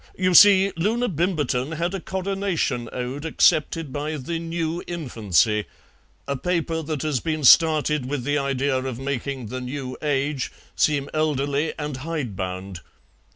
"You see, Loona Bimberton had a Coronation Ode accepted by the NEW INFANCY, a paper that has been started with the idea of making the NEW AGE seem elderly and hidebound.